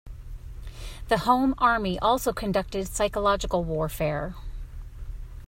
The Home Army also conducted psychological warfare.